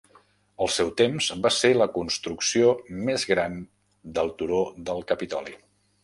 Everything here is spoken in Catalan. Al seu temps va ser la construcció més gran del turó del Capitoli.